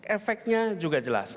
efeknya juga jelas